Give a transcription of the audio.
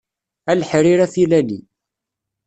A leḥrir afilali.